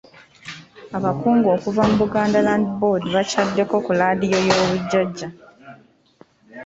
Abakugu okuva mu Buganda Land Board baakyaddeko ku leediyo y'obujajja.